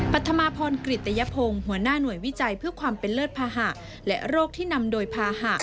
ธมาพรกริตยพงศ์หัวหน้าหน่วยวิจัยเพื่อความเป็นเลิศภาหะและโรคที่นำโดยภาหะ